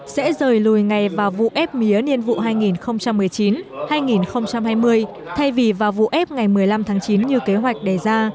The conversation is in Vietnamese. sẽ rời lùi ngày vào vụ ép mía niên vụ hai nghìn một mươi chín hai nghìn hai mươi thay vì vào vụ ép ngày một mươi năm tháng chín như kế hoạch đề ra